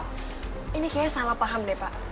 ini kayaknya salah paham deh pak